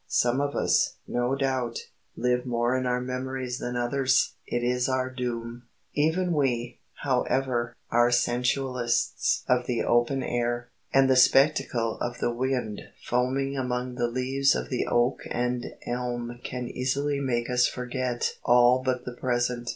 Some of us, no doubt, live more in our memories than others: it is our doom. Even we, however, are sensualists of the open air, and the spectacle of the wind foaming among the leaves of the oak and elm can easily make us forget all but the present.